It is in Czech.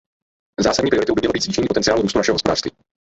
Zásadní prioritou by mělo být zvýšení potenciálu růstu našeho hospodářství.